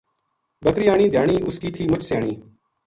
بکری آنی دھیانی اس کی تھی مُچ سیانی